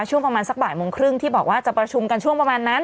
ช่วงประมาณสักบ่ายโมงครึ่งที่บอกว่าจะประชุมกันช่วงประมาณนั้น